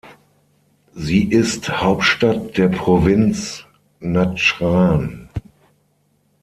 Sie ist Hauptstadt der Provinz Nadschran.